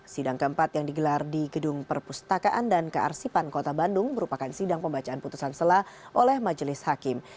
sidang keempat yang digelar di gedung perpustakaan dan kearsipan kota bandung merupakan sidang pembacaan putusan selah oleh majelis hakim